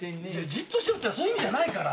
じっとしてろってそういう意味じゃないから。